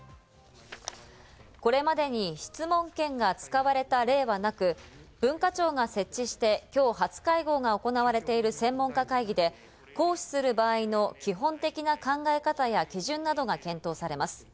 これまでに質問権が使われた例はなく、文化庁が設置して、今日、初会合が行われている専門家会議で行使する場合の基本的な考え方や基準などが検討されます。